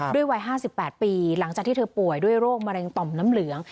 วัย๕๘ปีหลังจากที่เธอป่วยด้วยโรคมะเร็งต่อมน้ำเหลือง